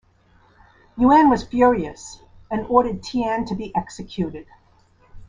Yuan was furious and ordered Tian to be executed.